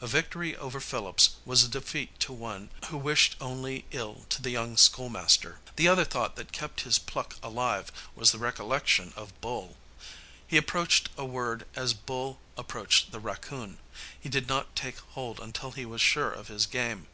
A victory over Phillips was a defeat to one who wished only ill to the young school master. The other thought that kept his pluck alive was the recollection of Bull. He approached a word as Bull approached the raccoon. He did not take hold until he was sure of his game.